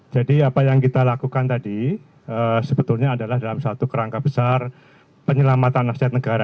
jadi apa yang kita lakukan tadi sebetulnya adalah dalam satu kerangka besar penyelamatan nasihat negara